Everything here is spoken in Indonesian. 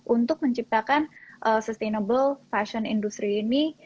untuk menciptakan sustainable fashion industry ini